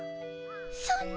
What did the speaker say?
そんな。